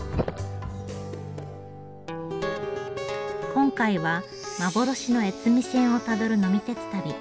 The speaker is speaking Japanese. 今回は幻の越美線をたどる呑み鉄旅。